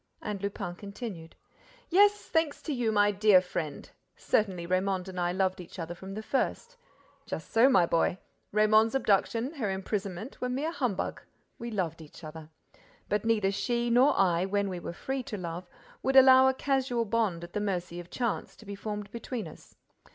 And Lupin continued: "Yes, thanks to you, my dear friend. Certainly, Raymonde and I loved each other from the first. Just so, my boy—Raymonde's abduction, her imprisonment, were mere humbug: we loved each other. But neither she nor I, when we were free to love, would allow a casual bond at the mercy of chance, to be formed between us.